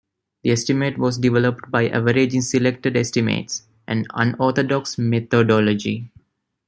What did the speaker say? This estimate was developed by averaging selected estimates - an unorthodox methodology.